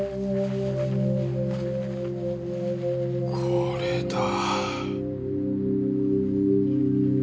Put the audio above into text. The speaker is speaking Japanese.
これだ。